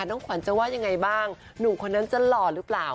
น้องขวัญจะว่ายังไงบ้างหนุ่มคนนั้นจะหล่อหรือเปล่า